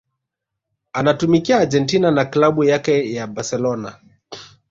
anatumikia Argentina na Klabu yake ya Barcelona